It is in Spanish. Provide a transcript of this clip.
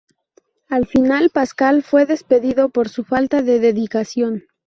Al final Pascal fue despedido por su falta de dedicación.